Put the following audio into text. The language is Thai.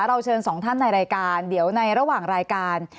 เราเชิญสองท่านในรายการเดี๋ยวในระหว่างรายการ